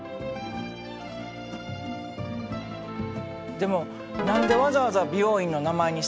でも何でわざわざ美容院の名前にしたと思う？